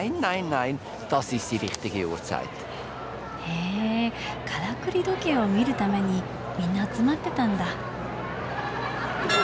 へえからくり時計を見るためにみんな集まってたんだ。